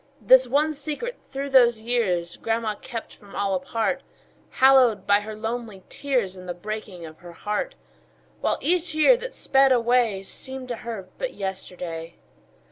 This one secret through those years Grandma kept from all apart, Hallowed by her lonely tears And the breaking of her heart; While each year that sped away Seemed to her but yesterday.